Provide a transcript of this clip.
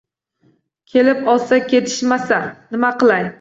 Kelib olib ketishmasa, nima qilay